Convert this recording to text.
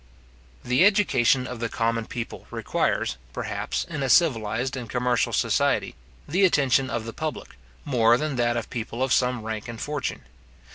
The education of the common people requires, perhaps, in a civilized and commercial society, the attention of the public, more than that of people of some rank and fortune.